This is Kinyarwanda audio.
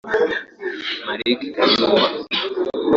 Malick Kayumba